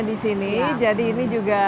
di sini jadi ini juga